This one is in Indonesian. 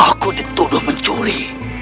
aku dituduh mencuri